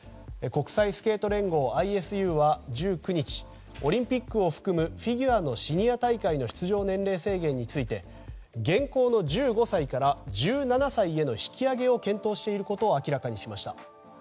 国際スケート連合・ＩＳＵは１９日オリンピックを含むフィギュアのシニア大会の出場年齢制限について現行の１５歳から１７歳への引き上げを検討していることを明らかにしました。